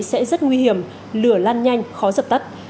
sẽ rất nguy hiểm lửa lan nhanh khó dập tắt